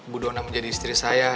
bu dona menjadi istri saya